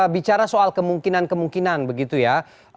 bicara soal kemungkinan kemungkinan begitu ya